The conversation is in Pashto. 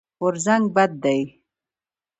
غورځنګ بد دی.